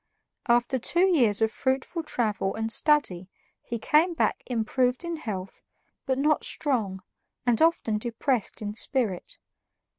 After two years of fruitful travel and study he came back improved in health but not strong, and often depressed in spirit.